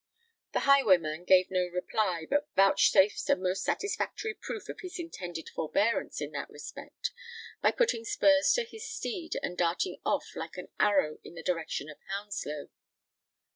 The highwayman gave no reply; but vouchsafed a most satisfactory proof of his intended forbearance in that respect, by putting spurs to his steed, and darting off like an arrow in the direction of Hounslow.